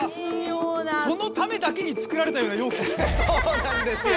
このためだけに作られたようなようきですね。